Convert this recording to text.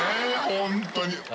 本当に。